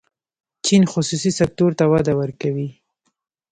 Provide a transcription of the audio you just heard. چین خصوصي سکتور ته وده ورکوي.